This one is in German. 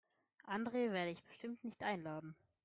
Andre werde ich bestimmt nicht einladen.